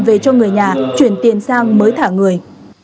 về cho người nhà chuyển tiền sang mới thả người